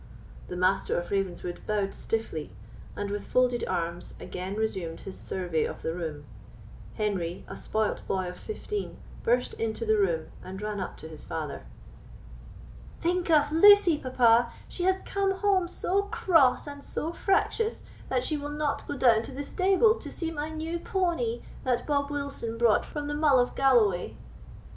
The Master of Ravenswood bowed stiffly, and, with folded arms, again resumed his survey of the room. Henry, a spoilt boy of fifteen, burst into the room, and ran up to his father. "Think of Lucy, papa; she has come home so cross and so fractious, that she will not go down to the stable to see my new pony, that Bob Wilson brought from the Mull of Galloway."